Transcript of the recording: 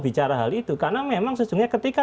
bicara hal itu karena memang sejujurnya ketika